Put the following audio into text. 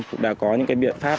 cũng đã có những biện pháp